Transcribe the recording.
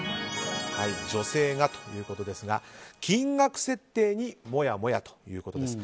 女性がということですが金額設定にもやもやということです。